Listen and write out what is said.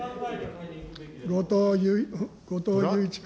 後藤祐一君。